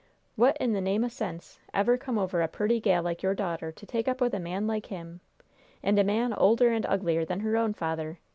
What i' the name o' sense ever come over a purty gal like your daughter to take up with a man like him? And a man older and uglier than her own father?